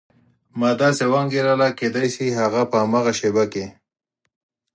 ما داسې وانګېرله کېدای شي هغه په هماغه شېبه کې.